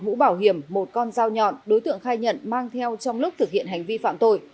mũ bảo hiểm một con dao nhọn đối tượng khai nhận mang theo trong lúc thực hiện hành vi phạm tội